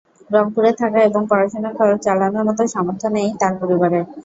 রংপুরে থাকা এবং পড়াশোনার খরচ চালানোর মতো সামর্থ্য নেই তাঁর পরিবারের।